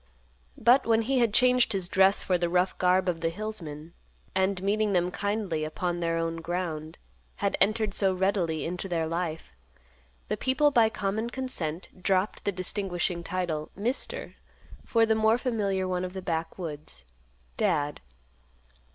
But when he had changed his dress for the rough garb of the hillsman, and, meeting them kindly upon their own ground, had entered so readily into their life, the people by common consent dropped the distinguishing title "Mister" for the more familiar one of the backwoods, "Dad."